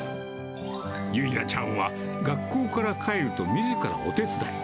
由奈ちゃんは、学校から帰ると、みずからお手伝い。